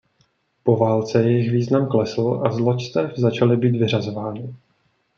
Po válce jejich význam klesl a z loďstev začaly být vyřazovány.